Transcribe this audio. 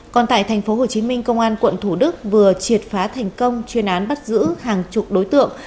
còn tại tp hcm công an quận thủ đức vừa triệt phá thành công chuyên án bắt giữ hàng chục đối tượng